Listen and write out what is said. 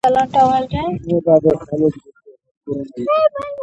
بيا مې پر کليوالو د امريکايانو د بمبارۍ کيسه ورته وکړه.